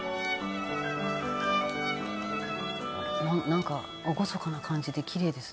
「なんか厳かな感じできれいですね」